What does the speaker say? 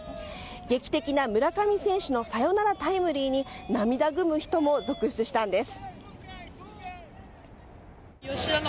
劇的な村上選手のサヨナラタイムリーに涙ぐむ人も続出したんです。